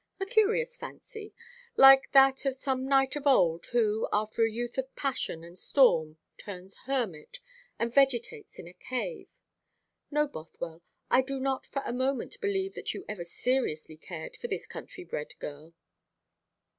A curious fancy like that of some knight of old who, after a youth of passion and storm, turns hermit, and vegetates in a cave. No, Bothwell, I do not for a moment believe that you ever seriously cared for this country bred girl."